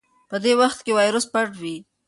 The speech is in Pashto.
په دې وخت کې وایرس پټ وي.